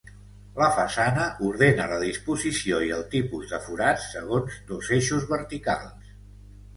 La façana ordena la disposició i el tipus de forats segons dos eixos verticals.